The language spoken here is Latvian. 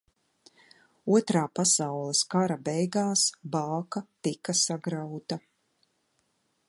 Otrā pasaules kara beigās bāka tika sagrauta.